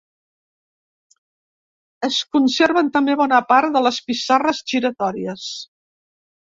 Es conserven també bona part de les pissarres giratòries.